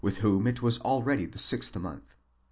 whom it was already the sixth month.